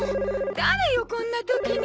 誰よこんな時に！